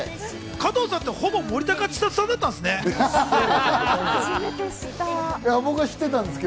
加藤さんって、ほぼ森高千里さんだったんですね。